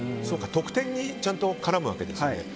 得点にちゃんと絡むわけですね。